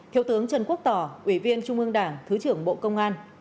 thiếu tướng trần quốc tỏ ủy viên trung ương đảng thứ trưởng bộ công an